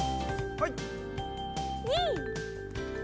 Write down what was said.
はい。